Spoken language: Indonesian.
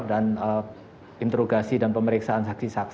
dan kemudian dari pelaku dan kemudian dari pelaku